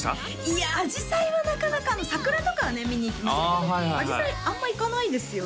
いやアジサイはなかなか桜とかはね見に行きましたけどアジサイあんま行かないですよね